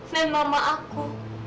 dan mama aku